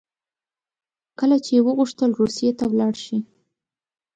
کله چې یې وغوښتل روسیې ته ولاړ شي.